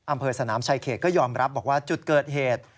อำเภอสนามชายเขตก็ยอมรับบอกว่าจุดเกิดเหตุ